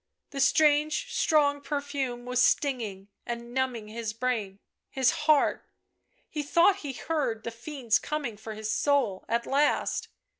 The strange strong perfume was stinging and numbing his brain, his heart ; he thought he heard the fiends coining for his soul — at last.